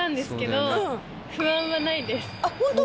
あっホント！